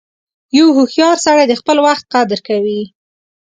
• یو هوښیار سړی د خپل وخت قدر کوي.